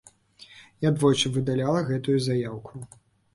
Я двойчы выдаляла гэтую заяўку.